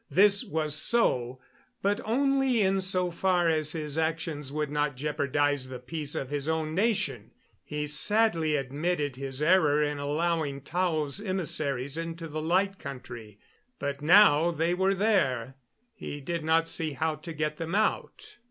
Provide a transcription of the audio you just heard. This was so, but only in so far as his actions would not jeopardize the peace of his own nation. He sadly admitted his error in allowing Tao's emissaries into the Light Country. But now they were there, he did not see how to get them out.